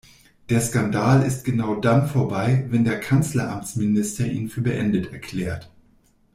Der Skandal ist genau dann vorbei, wenn der Kanzleramtsminister ihn für beendet erklärt.